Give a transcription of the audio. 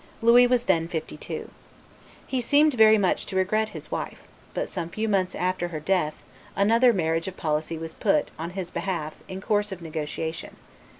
Louis was then fifty two. He seemed very much to regret his wife; but, some few months after her death, another marriage of policy was put, on his behalf, in course of negotiation.